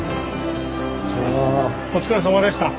お疲れさまでした。